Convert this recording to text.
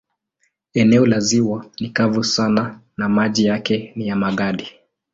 Eneo la ziwa ni kavu sana na maji yake ni ya magadi.